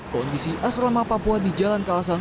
kondisi asrama papua di jalan kalasan